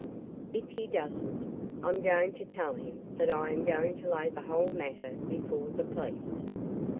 If he doesn't, I'm going to tell him that I am going to lay the whole matter before the police."